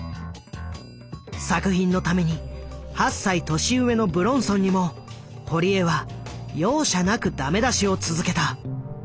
作品のために８歳年上の武論尊にも堀江は容赦なくダメ出しを続けた。